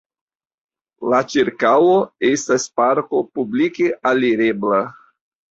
La ĉirkaŭo estas parko publike alirebla.